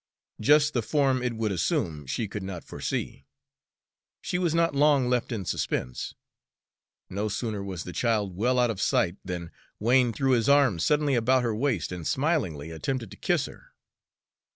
Just the form it would assume, she could not foresee. She was not long left in suspense. No sooner was the child well out of sight than Wain threw his arms suddenly about her waist and smilingly attempted to kiss her.